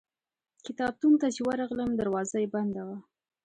کتابتون ته چې ورغلم دروازه یې بنده وه.